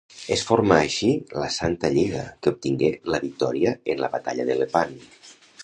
Es formà així la Santa Lliga que obtingué la victòria en la Batalla de Lepant.